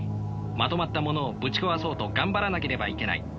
まとまったものをぶち壊そうと頑張らなければいけない。